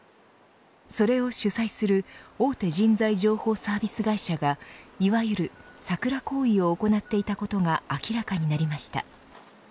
それを主催する大手人材情報サービス会社がいわゆるサクラ行為を行っていたことが明らかになりました。